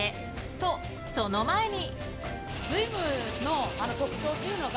と、その前に。